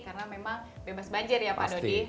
karena memang bebas banjir ya pak dodi